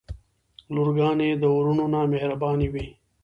لورګانې د وروڼه نه مهربانې وی.